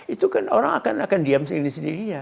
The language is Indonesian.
itu kan orang akan diam sendiri sendirinya